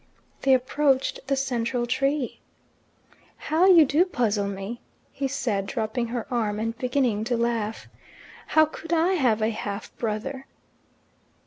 They approached the central tree. "How you do puzzle me," he said, dropping her arm and beginning to laugh. "How could I have a half brother?"